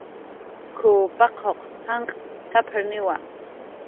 "K""uw paquq janq' t'aprniwa"